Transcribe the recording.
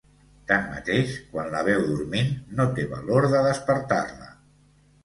Tanmateix, quan la veu dormint, no té valor de despertar-la.